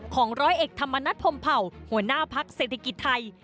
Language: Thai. ร้อยเอกธรรมนัฐพรมเผ่าหัวหน้าพักเศรษฐกิจไทย